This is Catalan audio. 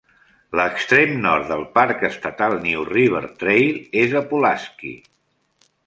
L'extrem nord del parc estatal New River Trail és a Pulaski.